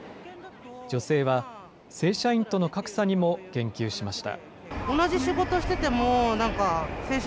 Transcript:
女性は正社員との格差にも言及しました。